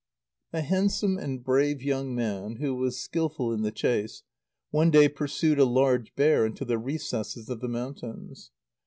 _ A handsome and brave young man, who was skilful in the chase, one day pursued a large bear into the recesses of the mountains.